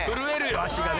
あしがね。